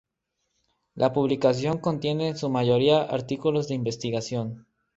La publicación contiene en su mayoría artículos de investigación.